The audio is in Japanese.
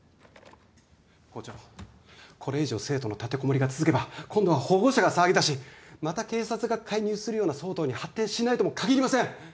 校長これ以上生徒の立てこもりが続けば今度は保護者が騒ぎだしまた警察が介入するような騒動に発展しないともかぎりません。